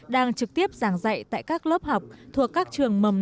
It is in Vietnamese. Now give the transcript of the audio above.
đang trực tiếp giảng dạy tại các lớp học thuộc các trường mầm non